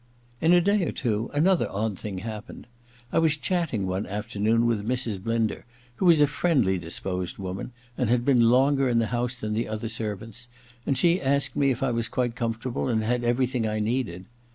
In a day or two another odd thing happened. 128 THE LADY'S MAID'S BELL i I was chatting one afternoon with Mrs« Blinder, who was a triendly disposed woman, and had been longer in the house than the other servants, and she asked me if I was quite comfortable and had everything I needed.